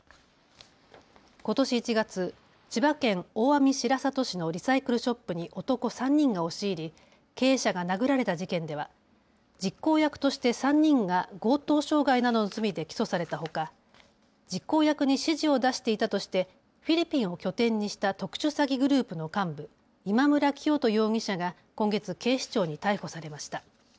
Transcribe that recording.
ことし１月、千葉県大網白里市のリサイクルショップに男３人が押し入り経営者が殴られた事件では実行役として３人が強盗傷害などの罪で起訴されたほか実行役に指示を出していたとしてフィリピンを拠点にした特殊詐欺グループの幹部、今村磨人容疑者が今月、警視庁に逮捕されました。